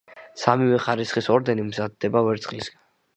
სამივე ხარისხის ორდენი მზადდება ვერცხლისაგან.